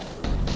dia jadi parasit